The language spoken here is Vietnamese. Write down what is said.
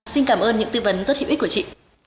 xin cảm ơn những tư vấn rất hữu ích của chị